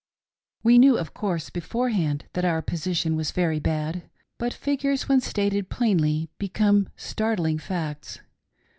We knew, of course, beforehand,, that our position was very bad, but iigures when stated plainly become startling facts.